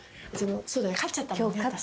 勝っちゃったもんね私。